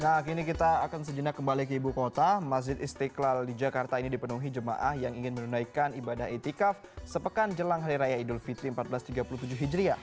nah kini kita akan sejenak kembali ke ibu kota masjid istiqlal di jakarta ini dipenuhi jemaah yang ingin menunaikan ibadah etikaf sepekan jelang hari raya idul fitri seribu empat ratus tiga puluh tujuh hijriah